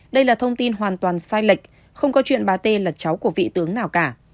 đây là thông tin hoàn toàn sai lệch không có chuyện bà t là cháu của vị tướng nào cả